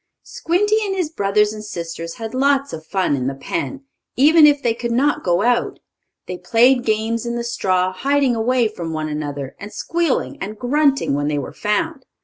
Squinty and his brothers and sisters had lots of fun in the pen, even if they could not go out. They played games in the straw, hiding away from one another, and squealing and grunting when they were found.